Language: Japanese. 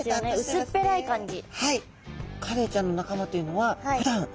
薄っぺらい感じ。